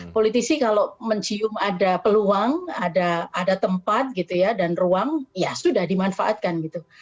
politisi kalau mencium ada peluang ada tempat gitu ya dan ruang ya sudah dimanfaatkan gitu